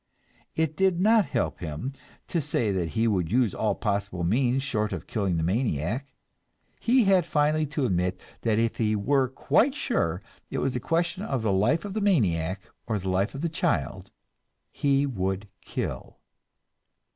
It did not help him to say that he would use all possible means short of killing the maniac; he had finally to admit that if he were quite sure it was a question of the life of the maniac or the life of his child, he would kill.